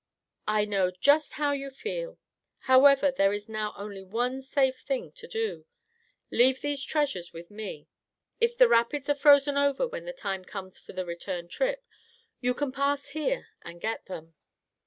"I know just how you feel. However, there is now only one safe thing to do. Leave these treasures with me. If the rapids are frozen over when the time comes for the return trip, you can pass here and get them.